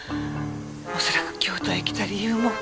おそらく京都へ来た理由も。